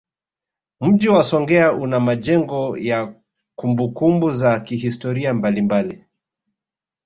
Mji wa Songea una majengo ya kumbukumbu za kihistoria mbalimbali